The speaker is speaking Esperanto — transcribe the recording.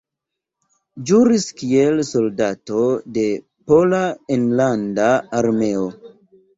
Ĵuris kiel soldato de Pola Enlanda Armeo.